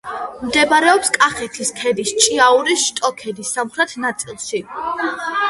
მდებარეობს კახეთის ქედის ჭიაურის შტოქედის სამხრეთ ნაწილში.